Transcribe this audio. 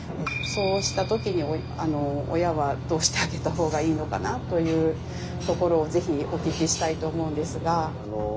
そうした時に親はどうしてあげた方がいいのかなというところをぜひお聞きしたいと思うんですが。